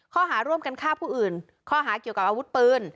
ข้อหาร่วมกันฆ่าผู้อื่นข้อหาเกี่ยวกับอาวุธปืน